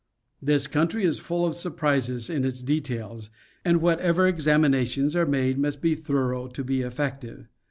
This country is full of surprises in its details, and whatever examinations are made must be thor ough to be effective.